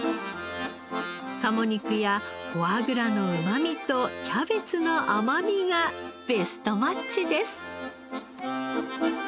鴨肉やフォアグラのうまみとキャベツの甘みがベストマッチです。